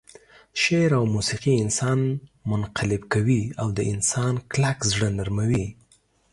شعر او موسيقي انسان منقلب کوي او د انسان کلک زړه نرموي.